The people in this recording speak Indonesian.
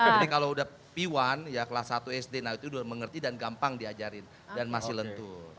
jadi kalau udah piwan ya kelas satu sd itu dia mengerti dan gampang diajarin dan masih lentur